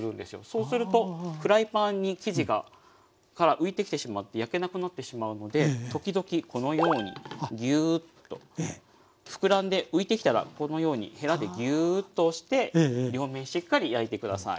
そうするとフライパンに生地がから浮いてきてしまって焼けなくなってしまうので時々このようにギュッとふくらんで浮いてきたらこのようにへらでギュッと押して両面しっかり焼いて下さい。